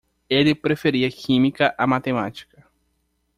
Ele preferia química a matemática